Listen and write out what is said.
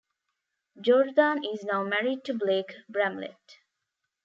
Jordan is now married to Blake Bramlett.